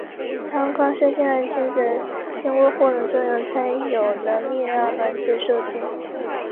当刚射进来的精子经过获能作用才有能力让卵子授精。